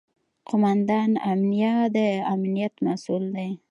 قوماندان امنیه د امنیت مسوول دی